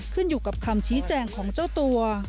ขึ้นอยู่กับคำชี้แจงของเจ้าตัว